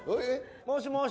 もしもし。